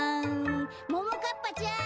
・ももかっぱちゃん